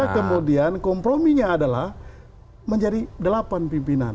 kemudian komprominya adalah menjadi delapan pimpinan